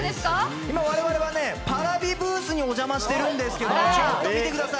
今、我々はＰａｒａｖｉブースにお邪魔してるんですけどちょっと見てください。